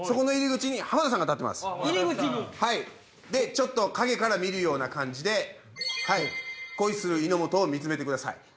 ちょっと陰から見るような感じで恋する井本を見つめてください。